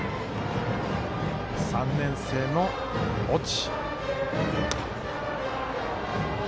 ３年生の越智。